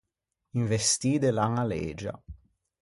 Un vestî de laña legia.